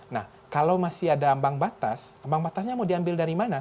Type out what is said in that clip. nah kalau masih ada ambang batas ambang batasnya mau diambil dari mana